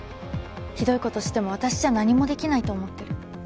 ひどいことしても私じゃ何もできないと思ってる。